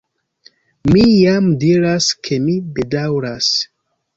Mi jam diras ke mi bedaŭras.